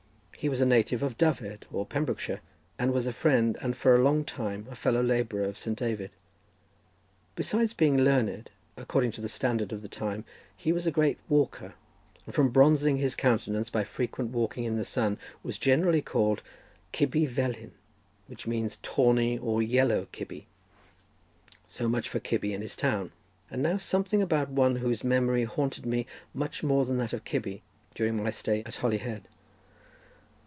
He was a native of Dyfed, or Pembrokeshire, and was a friend, and for a long time a fellow labourer, of Saint David. Besides being learned, according to the standard of the time, he was a great walker, and from bronzing his countenance by frequent walking in the sun, was generally called Cybi Velin, which means tawny, or yellow Cybi. So much for Cybi, and his town! And now something about one whose memory haunted me much more than that of Cybi during my stay at Holyhead.